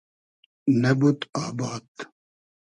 نئبود آباد